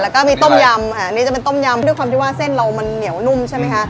แล้วก็มีต้มยำอันนี้จะเป็นต้มยำด้วยความที่ว่าเส้นเรามันเหนียวนุ่มใช่ไหมคะ